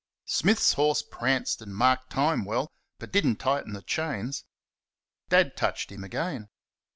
Smith's horse pranced and marked time well, but did n't tighten the chains. Dad touched him again.